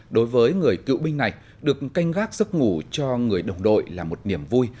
đối với người cựu binh này được canh gác giấc ngủ cho người đồng đội là một niềm vui